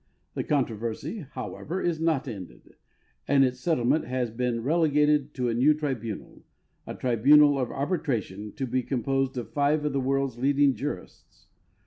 The controversy, however, is not ended, l)Ut its settlement has been relegated to a new tribunal— a tribunal of arbitration, to be composed of five of the world's leading jurists.